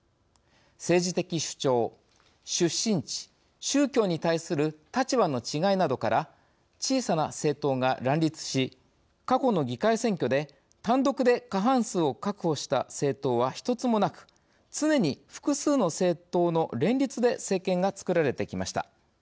政治的主張、出身地宗教に対する立場の違いなどから小さな政党が乱立し過去の議会選挙で単独で過半数を確保した政党は１つもなく常に複数の政党の連立で政権がつくられてきました。